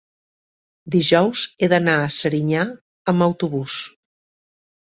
dijous he d'anar a Serinyà amb autobús.